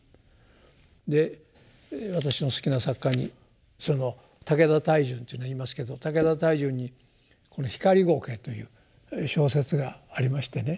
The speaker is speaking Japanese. で私の好きな作家にその武田泰淳というのがいますけど武田泰淳にこの「ひかりごけ」という小説がありましてね。